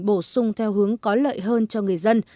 bổ sung theo hướng có lợi hơn cho người dân